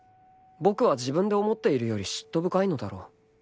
僕は自分で思っているより嫉妬深いのだろう